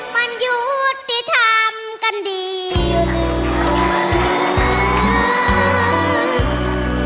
มันยุ่นที่ทำกันดีหรือไร